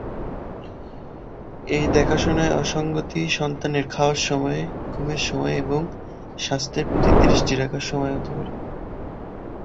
এই দেখাশোনায় অসঙ্গতি সন্তানের খাওয়ার সময়ে, ঘুমের সময়ে, এবং স্বাস্থ্যের প্রতি দৃষ্টি রাখার সময়ে হতে পারে।